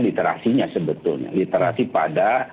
literasinya sebetulnya literasi pada